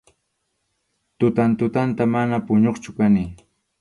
Tutan tutanta, mana puñuqchu kani.